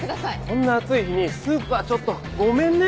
こんな暑い日にスープはちょっとごめんね。